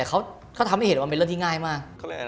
แต่เขาทำให้เห็นว่าเป็นเรื่องที่ง่ายมาก